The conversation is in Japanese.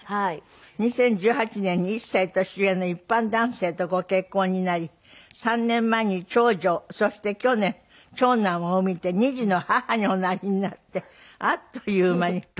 ２０１８年に１歳年上の一般男性とご結婚になり３年前に長女そして去年長男をお産みで２児の母におなりになってあっという間に。